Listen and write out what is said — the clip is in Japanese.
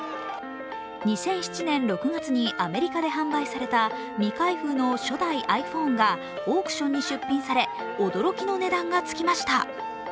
２００７年６月にアメリカで販売された未開封の初代ｉＰｈｏｎｅがオークションに出品され驚きの値段がつきました。